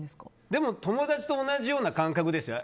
でも友達と同じような感覚ですよ。